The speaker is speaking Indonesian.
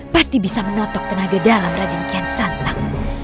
pasti bisa menotok tenaga dalam raden akihan santan